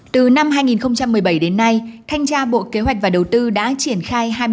từ năm hai nghìn một mươi bảy đến nay thanh tra bộ kế hoạch và đầu tư đã triển khai